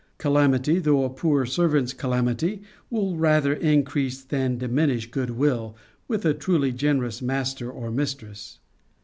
Calamity, though a poor servant's calamity, will rather increase than diminish good will, with a truly generous master or mistress.